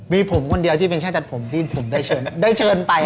มีผมคนเดียวที่เป็นช่างตัดผมที่ผมได้เชิญได้เชิญไป